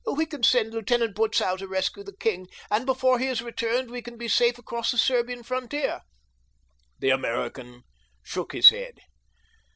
We can send Lieutenant Butzow to rescue the king, and before he has returned we can be safe across the Serbian frontier." The American shook his head.